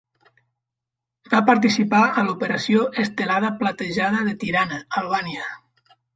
Va participar a l'Operació Estelada Platejada de Tirana (Albània).